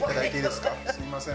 すみません。